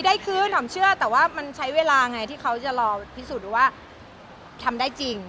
ได้คืนหอมเชื่อแต่ว่ามันใช้เวลาไงที่เขาจะรอพิสูจน์ดูว่าทำได้จริง